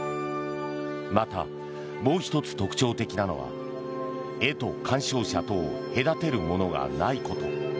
また、もう１つ特徴的なのは絵と鑑賞者とを隔てるものがないこと。